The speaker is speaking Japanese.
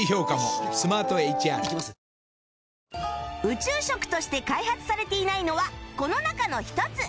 宇宙食として開発されてないのはこの中の１つ